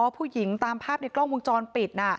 อ๋อผู้หญิงตามภาพในกล้องมุมจรปิด